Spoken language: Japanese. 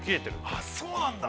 ◆あっ、そうなんだ。